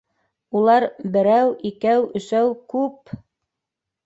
Улар берәү, икәү, өсәү... күп!